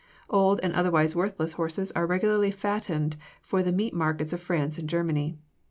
Old and otherwise worthless horses are regularly fattened for the meat markets of France and Germany.